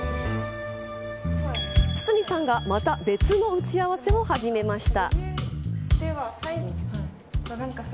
筒泉さんが、また別の打ち合わせを始めました。